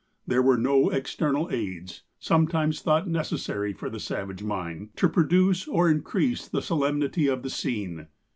There were no external aids, sometimes thought necessary for the savage mind, to produce or increase the solemnity of the scene.